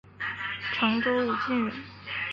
常州武进人。